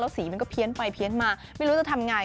สีมันก็เพี้ยนไปเพี้ยนมาไม่รู้จะทำไง